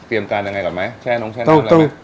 เตรียมการยังไงก่อนไหมแช่น้องแช่น้ำอะไรไหม